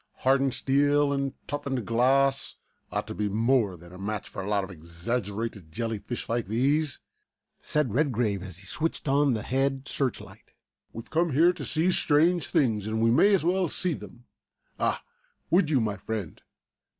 Hardened steel and toughened glass ought to be more than a match for a lot of exaggerated jelly fish like these," said Redgrave, as he switched on the head searchlight. "We've come here to see strange things and we may as well see them. Ah, would you, my friend.